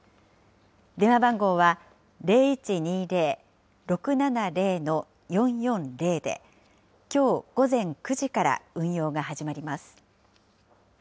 電話番号は、０１２０ー６７０ー４４０できょう午前９時から運用が始まります。